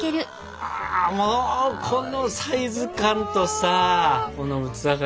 もうこのサイズ感とさこの器がいいよね！